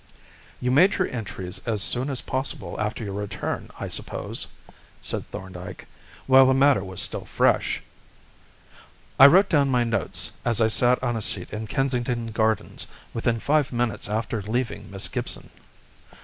"You made your entries as soon as possible after your return, I suppose?" said Thorndyke "while the matter was still fresh?" "I wrote down my notes as I sat on a seat in Kensington Gardens within five minutes after leaving Miss Gibson."